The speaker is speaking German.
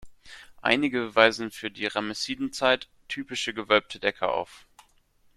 Einige weisen eine für die Ramessidenzeit typische gewölbte Decke auf.